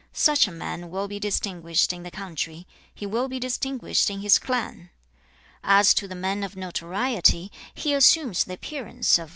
Such a man will be distinguished in the country; he will be distinguished in his clan. 6. 'As to the man of notoriety, he assumes the appearance of 違/居之不疑/在邦必聞/在家必聞. [廿一章][一節]樊遲從遊於舞雩之下.